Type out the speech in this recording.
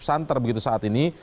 santer begitu saat ini